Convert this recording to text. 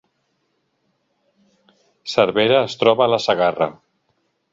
Cervera es troba a la Segarra